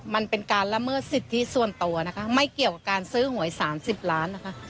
มันเป็นการละเมิดสิทธิส่วนตัวนะคะไม่เกี่ยวกับการซื้อหวย๓๐ล้านนะคะ